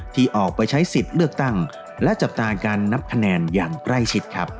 ที่ออกไปใช้สิทธิ์เลือกตั้งและจับตาการนับคะแนนอย่างใกล้ชิดครับ